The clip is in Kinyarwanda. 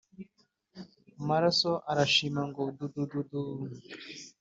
amaraso aramisha ngo dudududu